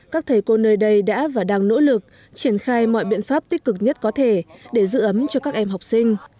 các thầy cô nơi đây đã và đang nỗ lực triển khai mọi biện pháp tích cực nhất có thể để giữ ấm cho các em học sinh